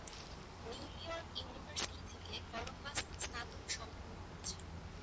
New York University থেকে Columbus স্নাতক সম্পন্ন করেছেন।